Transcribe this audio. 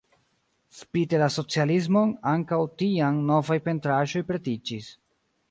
Spite la socialismon ankaŭ tiam novaj pentraĵoj pretiĝis.